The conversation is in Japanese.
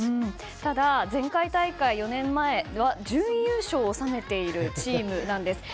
ただ、前回大会４年前は準優勝を収めているチームです。